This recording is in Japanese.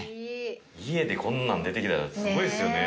家でこんなん出てきたらすごいっすよね。